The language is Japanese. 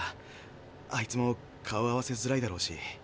あいつも顔合わせづらいだろうし。